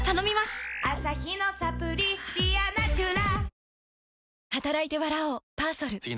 アサヒのサプリ「ディアナチュラ」